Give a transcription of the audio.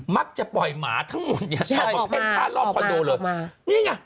มักจะปล่อยหมาทั้งหมดเผ็ดขาดลอกคอนโดมา